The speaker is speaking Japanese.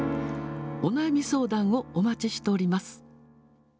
お悩み相談をお待ちしております。